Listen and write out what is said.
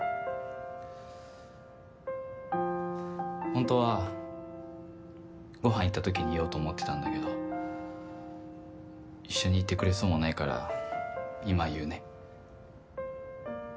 本当は、ごはん行った時に言おうと思ってたんだけど一緒に行ってくれそうもないから今言うね。